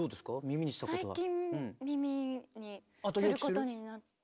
耳にしたことは。